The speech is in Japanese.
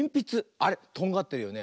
あれとんがってるよね。